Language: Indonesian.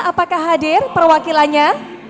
apakah hadir perwakilannya